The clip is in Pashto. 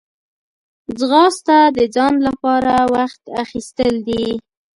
ځغاسته د ځان لپاره وخت اخیستل دي